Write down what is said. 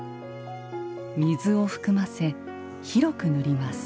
水を含ませ広く塗ります。